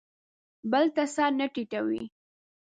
بل ته سر نه ټیټوي.